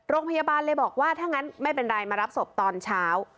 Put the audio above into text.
โรงพยาบาลเลยบอกว่าถ้างั้นไม่เป็นไรมารับศพตอนเช้า